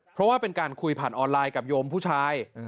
เพราะว่าเป็นการคุยผ่านออนไลน์กับโยมผู้ชาย